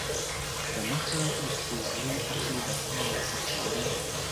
دمخه د سپوږمۍ اخلي د پاڼو تصویرونه